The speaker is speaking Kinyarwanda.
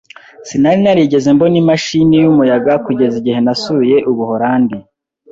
Sinari narigeze mbona imashini yumuyaga kugeza igihe nasuye Ubuholandi.